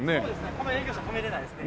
この営業車止められないですね。